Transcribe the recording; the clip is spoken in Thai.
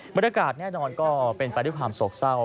บรรยากาศแน่นอนก็เป็นไปด้วยความโศกเศร้า